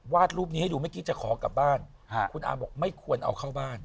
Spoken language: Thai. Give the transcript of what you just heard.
วาดรูปให้ดูไม่ที่จะขอกลับบ้านอาบไม่ควรเอาเข้าบ้านคือ